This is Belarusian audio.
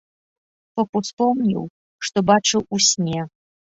Поп успомніў, што бачыў у сне.